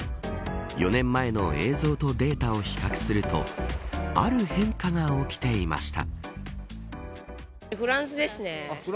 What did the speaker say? ４年前の映像とデータを比較するとある変化が起きていました。